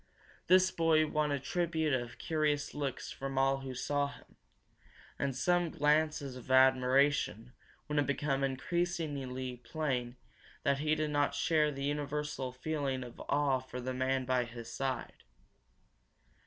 This boy won a tribute of curious looks from all who saw him, and some glances of admiration when it became increasingly plain that he did not share the universal feeling of awe for the man by his side.